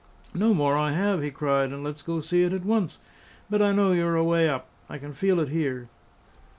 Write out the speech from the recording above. "No more I have," he cried; "and let's go see it at once! But I know you are away up. I can feel it here."